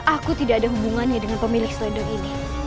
aku tidak ada hubungannya dengan pemilik seledong ini